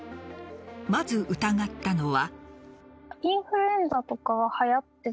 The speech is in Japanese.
まず疑ったのは。